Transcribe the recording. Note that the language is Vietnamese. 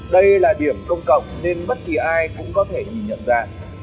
đây là điểm công cộng nên bất kỳ ai cũng có thể nhìn nhận ra